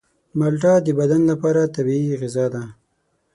مالټه د بدن لپاره طبیعي غذا ده.